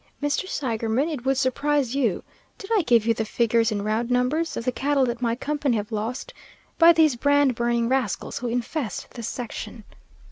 Mr. Seigerman, it would surprise you did I give you the figures in round numbers of the cattle that my company have lost by these brand burning rascals who infest this section.